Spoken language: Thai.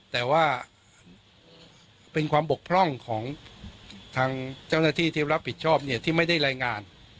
แต่ว่าเป็นความบกพร่องของทางเจ้าหน้าที่ที่รับผิดชอบเนี่ยที่ไม่ได้รายงาน